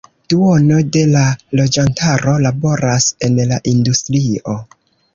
Duono de la loĝantaro laboras en la industrio.